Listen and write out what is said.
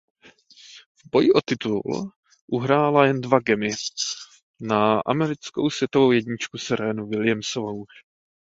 V boji o titul uhrála jen dva gamy na americkou světovou jedničku Serenu Williamsovou.